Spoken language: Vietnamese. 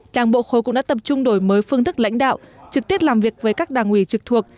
đảng bộ khối cũng đã tập trung đổi mới phương thức lãnh đạo trực tiếp làm việc với các đảng ủy trực thuộc